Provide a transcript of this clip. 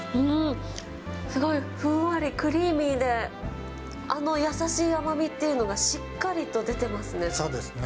すごいふんわり、クリーミーで、あの優しい甘みっていうのが、しっかりと出てますね。